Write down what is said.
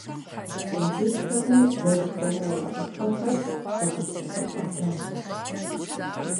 Тенджызхэмрэ гуэлхэмрэ я Ӏуфэхэр зыгъэпсэхупӀэ дэгъуэщ.